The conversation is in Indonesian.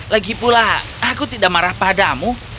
lagipula aku tidak marah padamu